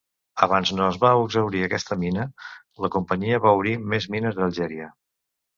Abans no es va exhaurir aquesta mina, la companyia va obrir més mines a Algèria.